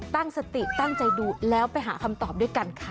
ตั้งสติตั้งใจดูแล้วไปหาคำตอบด้วยกันค่ะ